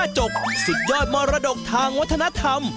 ห้าจกสิทธิ์ยอดมรดกทางวัฒนธรรม